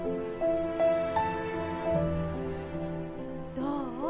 どう？